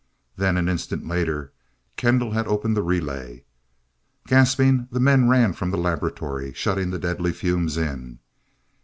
Then an instant later, Kendall had opened the relay. Gasping, the men ran from the laboratory, shutting the deadly fumes in.